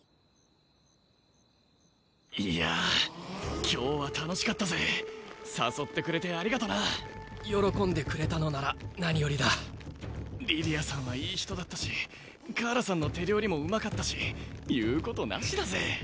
いや今日は楽しかったぜ誘ってくれてありがとな喜んでくれたのなら何よりだリディアさんはいい人だったしカーラさんの手料理もうまかったし言うことなしだぜ